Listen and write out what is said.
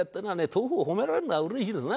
豆腐を褒められるのはうれしいですな。